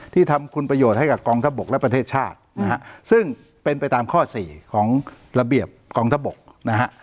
ที่ทำคุณประโยชน์ให้กับกองทัพบกและประเทศชาตินะฮะซึ่งเป็นไปตามข้อสี่ของระเบียบกองทัพบกนะฮะ